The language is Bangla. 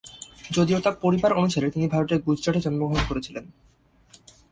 যদিও তার পরিবার অনুসারে তিনি ভারতের গুজরাটে জন্মগ্রহণ করেছিলেন।